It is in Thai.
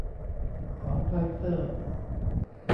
ของไฟเซอร์